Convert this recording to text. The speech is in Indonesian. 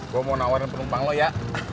gue mau nawarin penumpang lo ya